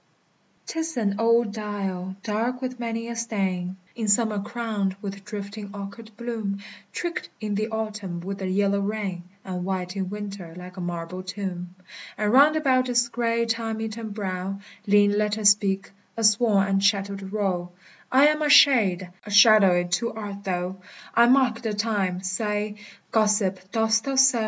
'T is an old dial, dark with many a stain; In summer crowned with drifting orchard bloom, Tricked in the autumn with the yellow rain, And white in winter like a marble tomb. And round about its gray, time eaten brow Lean letters speak, a worn and shattered row: =I am a Shade; a Shadowe too art thou: I marke the Time: saye, Gossip, dost thou soe?